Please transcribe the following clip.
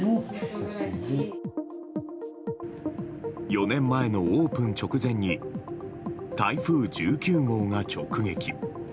４年前のオープン直前に台風１９号が直撃。